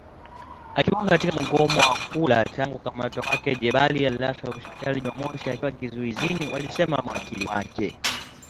Akiwa katika mgomo wa kula tangu kukamatwa kwake Jebali alilazwa hospitali Jumamosi akiwa kizuizini walisema mawakili wake